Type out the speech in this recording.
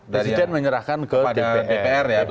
presiden menyerahkan ke dpr